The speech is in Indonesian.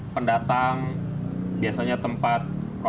pendatang biasanya tempat kontrak